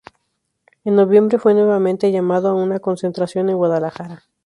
En noviembre fue nuevamente llamado a una concentración en Guadalajara.